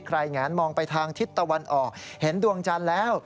แงนมองไปทางทิศตะวันออกเห็นดวงจันทร์แล้ว